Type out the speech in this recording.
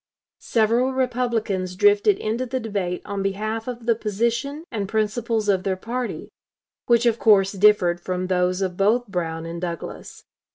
Several Republicans drifted into the debate on behalf of the position and principles of their party, which of course differed from those of both Brown and Douglas.